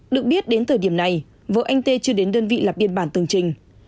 được biết đến thời điểm này vợ anh tê chưa đến đơn vị lập biên bản tường trình